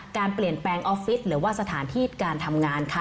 การเปลี่ยนแปลงออฟฟิศหรือว่าสถานที่การทำงานค่ะ